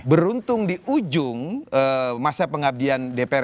beruntung di ujung masa pengabdian dpr ri dua ribu empat belas dua ribu empat belas